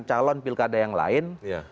kalo pilkada yang lain